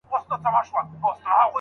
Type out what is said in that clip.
مسلمانان دي ما په دعاء کي یاد کړي.